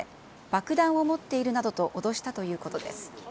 爆弾を持っているなどと脅したということです。